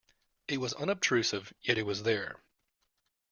It was unobtrusive, yet it was there.